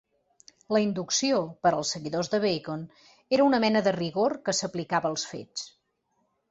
La inducció, per als seguidors de Bacon, era una mena de rigor que s'aplicava als fets.